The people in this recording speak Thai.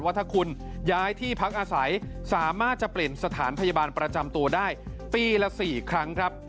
ว่าถ้าคุณย้ายที่พักอาศัยสามารถจะเปลี่ยนสถานพยาบาลประจำตัวได้ปีละ๔ครั้งครับ